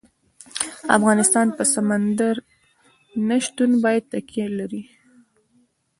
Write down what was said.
افغانستان په سمندر نه شتون باندې تکیه لري.